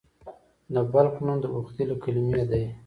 د بلخ نوم د بخدي له کلمې دی